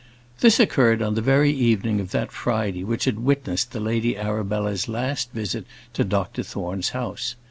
This occurred on the very evening of that Friday which had witnessed the Lady Arabella's last visit to Dr Thorne's house.